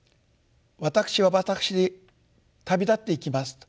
「私は私で旅立っていきます」と。